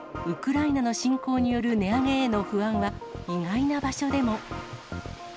ウクライナの侵攻による値上げへの不安は、意外な場所でも。